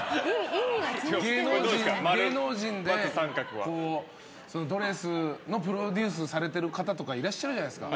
芸能人で、ドレスのプロデュースされてる方とかいらっしゃるじゃないですか。